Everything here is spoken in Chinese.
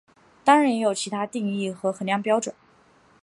当然也有其它定义和衡量标准。